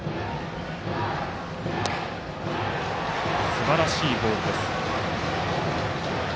すばらしいボールです。